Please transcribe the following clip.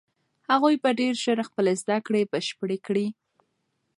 هغوی به ډېر ژر خپلې زده کړې بشپړې کړي.